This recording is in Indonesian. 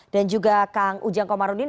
dan juga kang ujang komarudin